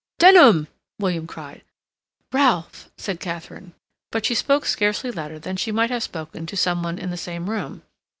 "Denham!" William cried. "Ralph!" said Katharine, but she spoke scarcely louder than she might have spoken to some one in the same room.